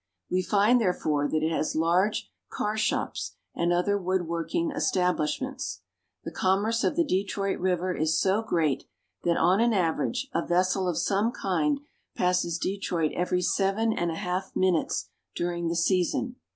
We find, therefore, that it has large car shops and other wood working establishments. The com merce of the Detroit River is so great that, on an average, a vessel of some kind passes Detroit every seven and a half minutes during the season.